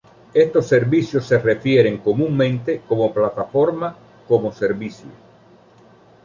Estos servicios se refieren comúnmente como plataforma como servicio.